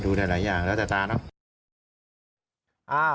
ดูได้หลายอย่างแล้วจะตามนะ